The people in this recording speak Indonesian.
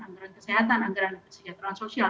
anggaran kesehatan anggaran kesejahteraan sosial